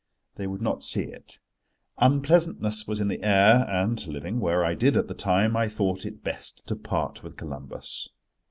They would not see it. Unpleasantness was in the air, and, living where I did at the time, I thought it best to part with Columbus.